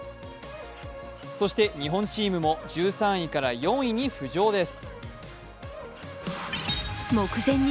そして日本チームも１３位から４位に浮上です。